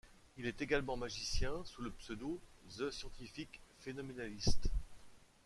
Il est également magicien sous le pseudo The Scientific Phenomenalist.